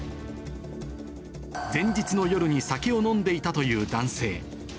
前日の夜に酒を飲んでいたという男性。